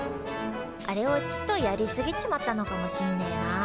あれをちっとやりすぎちまったのかもしんねえな。